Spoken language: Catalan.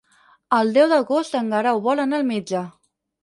El deu d'agost en Guerau vol anar al metge.